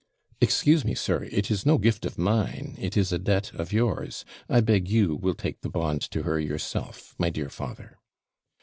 'Excuse me, sir; it is no gift of mine it is a debt of yours. I beg you will take the bond to her yourself, my dear father.'